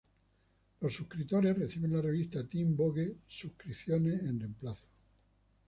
Los suscriptores reciben la revista Teen Vogue suscripciones en reemplazo.